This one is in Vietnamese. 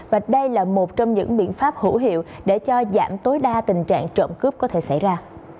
và đây là một trong những biện pháp hữu hiệu để cho giảm tối đa tình trạng trộm cướp có thể xảy ra